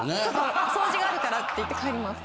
掃除があるからって言って帰ります。